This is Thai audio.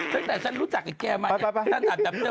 ซึ่งแต่ฉันรู้จักแกมาจะถึงแต่แบบ